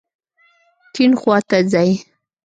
کیڼ خواته ځئ